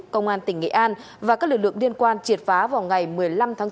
công an tỉnh nghệ an và các lực lượng liên quan triệt phá vào ngày một mươi năm tháng bốn